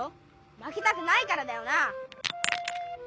まけたくないからだよな？